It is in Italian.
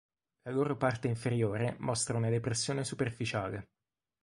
La loro parte inferiore mostra una depressione superficiale.